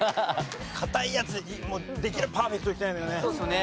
堅いやつできればパーフェクトいきたいんだよね。